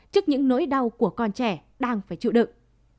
trước những nỗi đau của con trẻ đang phải chịu đựng